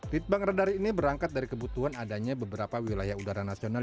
ritbang radar ini berangkat dari kebutuhan adanya beberapa wilayah udara nasional